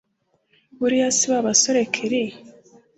buriya si babasore kelli